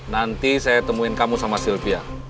nanti saya temuin kamu sama sylvia